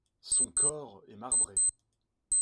Son corps est marbré.